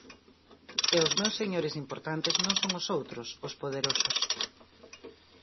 E os meus señores importantes non son os outros, os poderosos.